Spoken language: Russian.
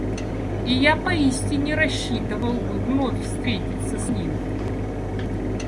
И я поистине рассчитывал бы вновь встретиться с ним.